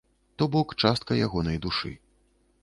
То бок частка ягонай душы.